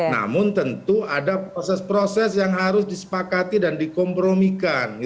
namun tentu ada proses proses yang harus disepakati dan dikompromikan